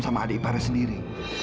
sama adik para sendiri